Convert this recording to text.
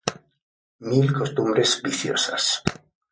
Mil costumbres viciosas